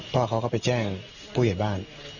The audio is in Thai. พ่อเขาก็ไปแจ้งผู้ใหญ่บ้าน